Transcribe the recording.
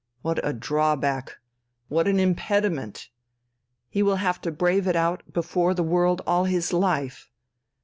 What a drawback! What an impediment! He will have to brave it out before the world all his life.